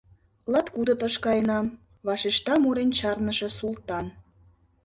— Латкудытыш каенам, — вашешта мурен чарныше Султан.